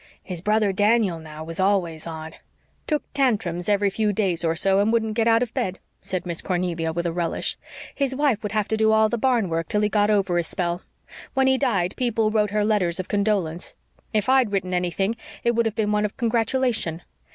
His brother Daniel, now, was always odd." "Took tantrums every few days or so and wouldn't get out of bed," said Miss Cornelia with a relish. "His wife would have to do all the barn work till he got over his spell. When he died people wrote her letters of condolence; if I'd written anything it would have been one of congratulation.